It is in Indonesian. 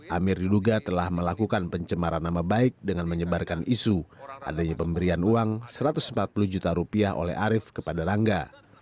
amir diduga telah melakukan pencemaran nama baik dengan menyebarkan isu adanya pemberian uang satu ratus empat puluh juta rupiah oleh arief kepada rangga